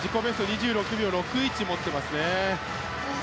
２６秒６１を持ってますね。